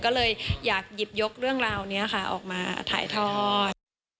ก็เลยอยากหยิบยกเรื่องราวนี้ค่ะออกมาถ่ายทอด